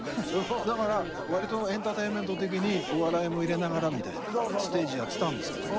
だからわりとエンターテインメント的にお笑いも入れながらみたいなステージやってたんですけどね